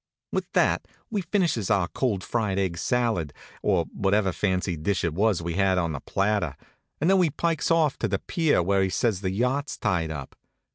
With that we finishes our cold fried egg salad, or whatever fancy dish it was we had on the platter, and then we pikes off to the pier where he says the yacht's tied up.